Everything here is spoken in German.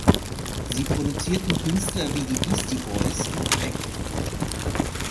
Sie produzierten Künstler wie die Beastie Boys und Beck.